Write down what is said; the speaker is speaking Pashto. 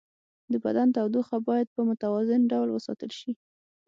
د بدن تودوخه باید په متوازن ډول وساتل شي.